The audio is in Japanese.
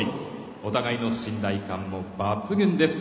お互いの信頼感も抜群です。